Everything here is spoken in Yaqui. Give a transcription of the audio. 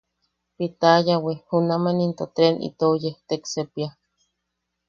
Pitayawi junaman into treen into itou yejtek sepia.